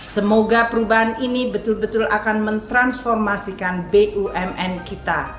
semoga perubahan ini betul betul akan mentransformasikan bumn kita